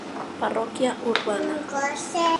Parroquia urbana